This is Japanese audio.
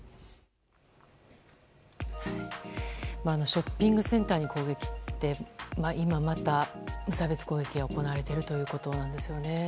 ショッピングセンターに攻撃って今また無差別攻撃が行われているということなんですよね。